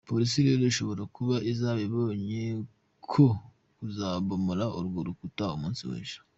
polisi rero ishobora kuba izaba ibonye ko kuzabomora urwo rukuta umunsi wejo !